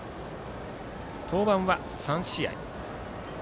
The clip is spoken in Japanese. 登板は３試合。